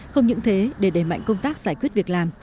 không những thế để đẩy mạnh công tác giải quyết việc làm